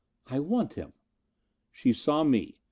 "I want him." She saw me.